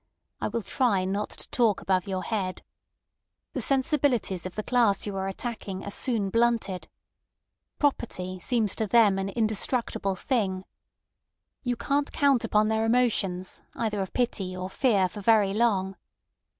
I will try not to talk above your head. The sensibilities of the class you are attacking are soon blunted. Property seems to them an indestructible thing. You can't count upon their emotions either of pity or fear for very long.